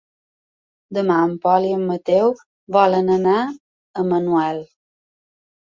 Demà en Pol i en Mateu volen anar a Manuel.